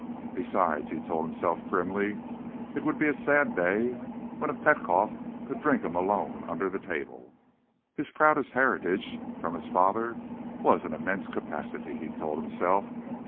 Besides, he told himself grimly, it would be a sad day when a Petkoff could drink a Malone under the table. His proudest heritage from his father was an immense capacity, he told himself.